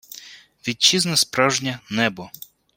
Вітчизна справжня – небо!